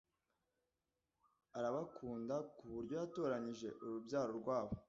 arabakunda, ku buryo yatoranyije urubyaro rwabo,